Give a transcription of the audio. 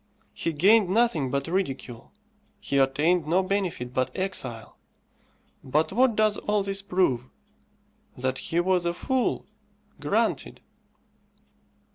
He gained nothing but ridicule, he attained no benefit but exile. But what does all this prove? that he was a fool. Granted.